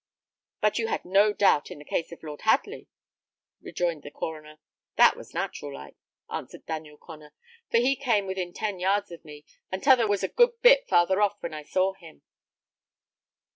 "But you had no doubt in the case of Lord Hadley," rejoined the coroner. "That was natural like," answered Daniel Connor; "for he came within ten yards of me, and t'other was a good bit farther off when I saw him."